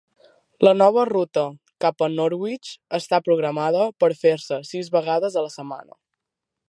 La nova ruta cap a Norwich està programada per fer-se sis vegades a la setmana.